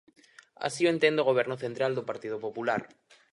Así o entende o goberno central do Partido Popular.